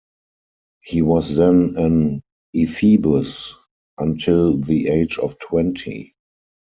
He was then an ephebus until the age of twenty.